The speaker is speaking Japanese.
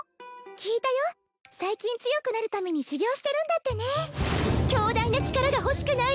聞いたよ最近強くなるために修行してるんだってね強大な力が欲しくない？